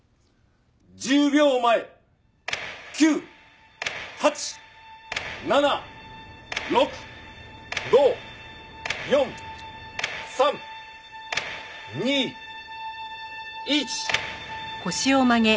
１０秒前９８７６５４３２１。